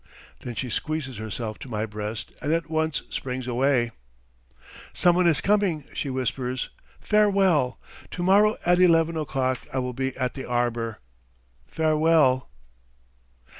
Then she squeezes herself to my breast, and at once springs away. "Someone is coming," she whispers. "Farewell! ... To morrow at eleven o'clock I will be in the arbour. ... Farewell!"